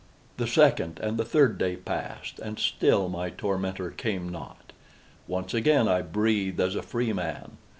The second and the third day passed, and still my tormentor came not. Once again I breathed as a freeman.